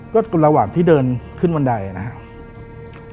ก็ระหว่างที่เดินขึ้นบันไดนะครับ